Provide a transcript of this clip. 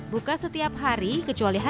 buka setiap hari kecuali